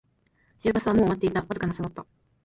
終バスはもう終わっていた、わずかな差だった